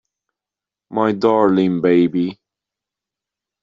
My darling baby.